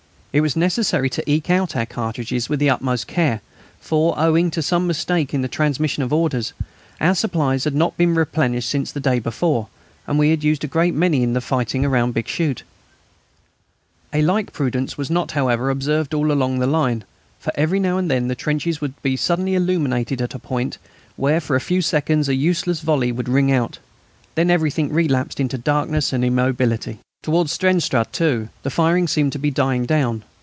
It was necessary to eke out our cartridges with the utmost care, for, owing to some mistake in the transmission of orders, our supplies had not been replenished since the day before, and we had used a great many in the fighting round Bixschoote. A like prudence was not, however, observed all along the line, for every now and then the trenches would be suddenly illuminated at a point where for a few seconds a useless volley would ring out. Then everything relapsed into darkness and immobility. Towards Steenstraate, too, the firing seemed to be dying down.